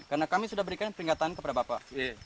karena kami sudah berikan peringatan kepada bapak